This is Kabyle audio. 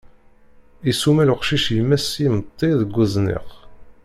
Isummel uqcic yemma-s s yimeṭṭi deg uzniq.